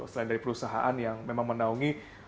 selain dari perusahaan yang memang menaungi